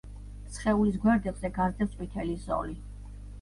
სხეულის გვერდებზე გასდევს ყვითელი ზოლი.